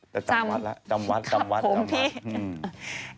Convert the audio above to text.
จำครับผมพี่